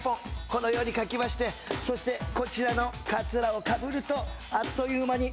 このように描きましてそしてこちらのカツラをかぶるとあっという間に。